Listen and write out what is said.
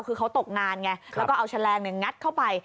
คือเขาตกงานไงแล้วก็เอาแฉลงงัดเข้าไป